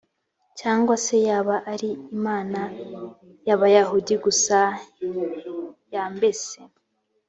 cyangwa se yaba ari imana y abayahudi gusa y mbese